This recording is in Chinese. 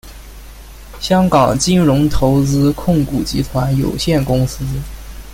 香港金融投资控股集团有限公司。